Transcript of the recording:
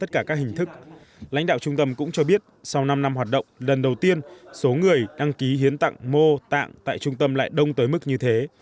các hình thức lãnh đạo trung tâm cũng cho biết sau năm năm hoạt động lần đầu tiên số người đăng ký hiến tạng mô tạng tại trung tâm lại đông tới mức như thế